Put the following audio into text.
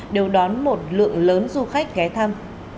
đều đón một lượng lớn du khách ghé thăm